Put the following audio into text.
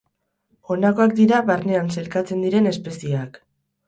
Honakoak dira barnean sailkatzen diren espezieak.